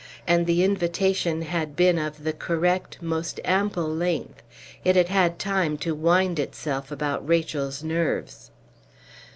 And the invitation had been of the correct, most ample length; it had had time to wind itself about Rachel's nerves.